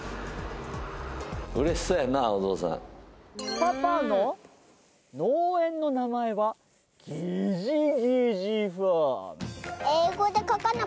パパの農園の名前はゲジゲジファーム。